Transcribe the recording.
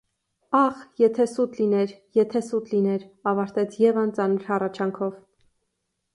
Ա՜խ, եթե սուտ լիներ, եթե սուտ լիներ,- ավարտեց Եվան ծանր հառաչանքով: